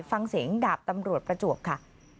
ฟังเสียงดาบตำรวจประจวบค่ะ